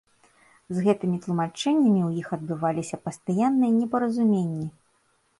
З гэтымі тлумачэннямі ў іх адбываліся пастаянныя непаразуменні.